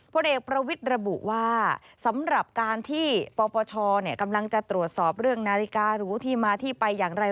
พลเอกประวิทย์ระบุว่าสำหรับการที่ปปชกำลังจะตรวจสอบเรื่องนาฬิการูที่มาที่ไปอย่างไร